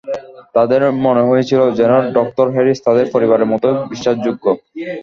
তাদের মনে হয়েছিল, যেন ডঃ হ্যারিস তাদের পরিবারের মতই বিশ্বাসযোগ্য।